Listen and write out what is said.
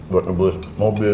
buat rebus mobil